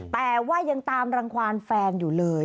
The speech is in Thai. แต่ว่ายังตามรังความแฟนอยู่เลย